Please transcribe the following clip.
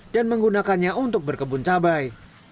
dan menggunakannya untuk berkebun cabai